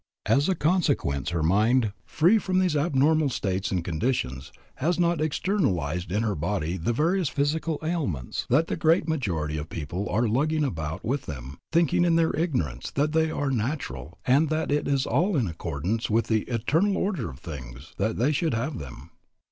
As a consequence her mind, free from these abnormal states and conditions, has not externalized in her body the various physical ailments that the great majority of people are lugging about with them, thinking in their ignorance, that they are natural, and that it is all in accordance with the "eternal order of things" that they should have them.